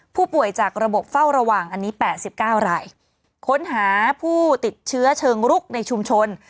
ผู้ป่วยจากระบบเฝ้าระวังอันนี้๘๙รายค้นหาผู้ติดเชื้อเชิงรุกในชุมชน